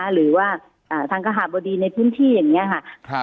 หรือว่าทางภาครบรรษีในพื้นที่อ่ะค่ะ